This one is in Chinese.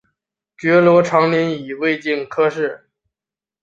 觉罗长麟乙未科进士。